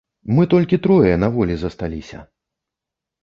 Мы толькі трое на волі засталіся!